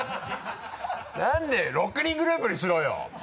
なんで６人グループにしろよ！